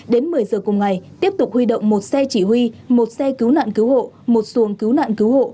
đến một mươi giờ cùng ngày tiếp tục huy động một xe chỉ huy một xe cứu nạn cứu hộ một xuồng cứu nạn cứu hộ